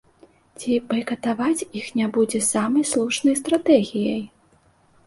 Ці байкатаваць іх не будзе самай слушнай стратэгіяй?